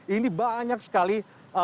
ini banyak sekali